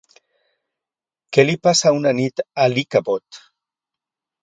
Què li passa una nit a l'Ichabod?